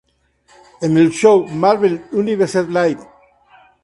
En el show "Marvel Universe Live!